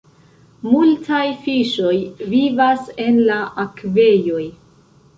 Multaj fiŝoj vivas en la akvejoj.